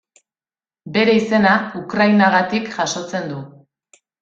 Bere izena Ukrainagatik jasotzen du.